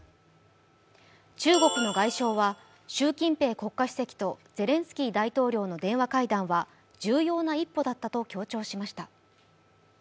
中国の外相は習近平国家主席とゼレンスキー大統領の電話会談は重要な一歩だったと強調しました。